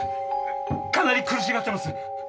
かなり苦しがってます！